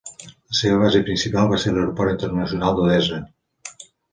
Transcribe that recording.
La seva base principal va ser l'aeroport internacional d'Odessa.